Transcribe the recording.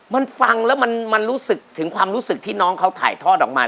มันฟังแล้วมันรู้สึกถึงความรู้สึกที่น้องเขาถ่ายทอดออกมา